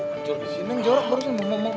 ancur di sini jarak baru